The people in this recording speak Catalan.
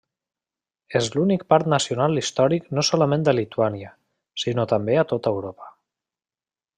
És l'únic parc nacional històric no solament a Lituània, sinó també a tota Europa.